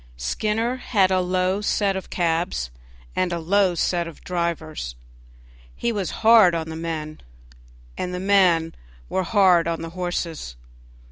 Skinner had a low set of cabs and a low set of drivers; he was hard on the men, and the men were hard on the horses.